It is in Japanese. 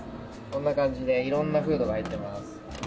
こんな感じで、いろんなフードが入ってます。